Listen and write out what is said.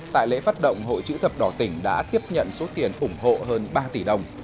tại lễ phát động hội chữ thập đỏ tỉnh đã tiếp nhận số tiền ủng hộ hơn ba tỷ đồng